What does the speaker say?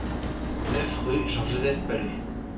neuf rue Jean Joseph Pallu